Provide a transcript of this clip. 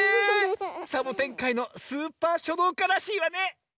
サボテンかいのスーパーしょどうからしいわね！